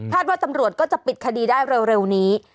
ว่าตำรวจก็จะปิดคดีได้เร็วนี้